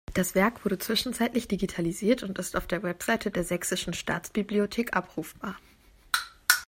Das Werk wurde zwischenzeitlich digitalisiert und ist auf der Webseite der Sächsischen Staatsbibliothek abrufbar.